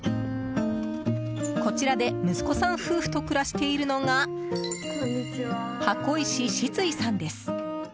こちらで息子さん夫婦と暮らしているのが箱石シツイさんです。